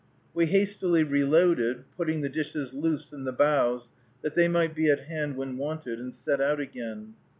We hastily reloaded, putting the dishes loose in the bows, that they might be at hand when wanted, and set out again.